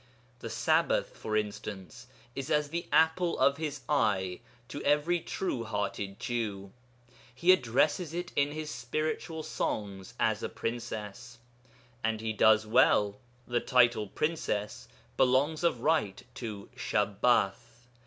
The Sabbath, for instance, is as the apple of his eye to every true hearted Jew; he addresses it in his spiritual songs as a Princess. And he does well; the title Princess belongs of right to 'Shabbath.'